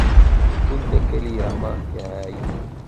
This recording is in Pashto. شپون د کلي رمه پیایي.